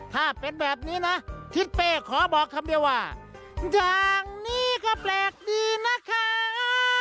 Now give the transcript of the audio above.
ถ้าเป็นแบบนี้นะทิศเป้ขอบอกคำเดียวว่าอย่างนี้ก็แปลกดีนะคะ